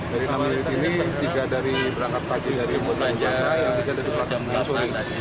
dari enam menit ini tiga dari berangkat pagi dari bogor ke jogja yang tiga dari berangkat pagi dari suri